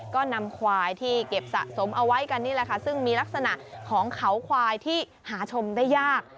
ก็นำควายที่เก็บสะสมเอาไว้กันนี่แหละค่ะซึ่งมีลักษณะของเขาควายที่หาชมได้ยาก